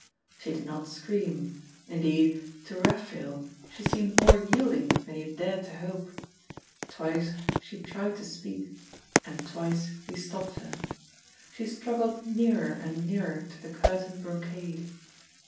She did not scream, indeed, to Raphael, she seemed more yielding than he had dared to hope. Twice she tried to speak, and twice he stopped her. She struggled nearer and nearer to the curtained brocade..